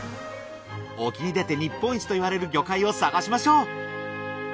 沖に出て日本一と言われる魚介を探しましょう！